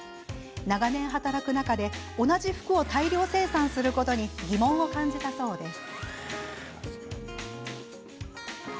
長年、働く中で同じ服を大量生産することに疑問を感じたそうです。